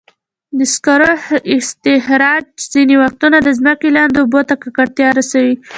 د سکرو استخراج ځینې وختونه د ځمکې لاندې اوبو ته ککړتیا رسوي.